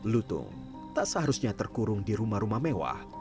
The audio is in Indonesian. lutung tak seharusnya terkurung di rumah rumah mewah